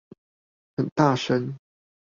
很大聲